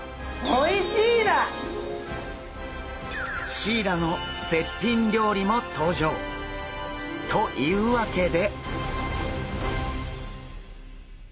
シイラの絶品料理も登場！というわけで！